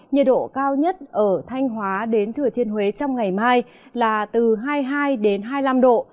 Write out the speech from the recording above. nhiệt độ cao nhất ở thanh hóa đến thừa thiên huế trong ngày mai là từ hai mươi hai đến hai mươi năm độ